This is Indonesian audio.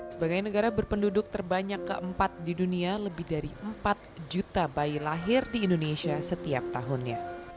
sebagai negara berpenduduk terbanyak keempat di dunia lebih dari empat juta bayi lahir di indonesia setiap tahunnya